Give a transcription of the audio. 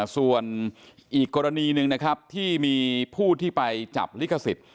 ส่วนอีกกรณีหนึ่งนะครับที่มีผู้ที่ไปจับลิขสิทธิ์